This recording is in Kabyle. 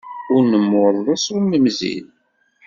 Ur nemmurḍes ur nemzil.